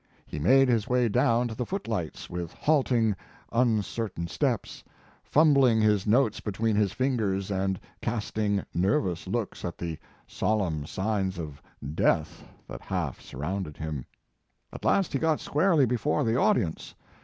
He made his way down to the footlights with halting, uncertain steps, fumbling his notes between his fingers and casting nervous looks at the solemn signs of death that half sur rounded him. At last he got squarely before the audience.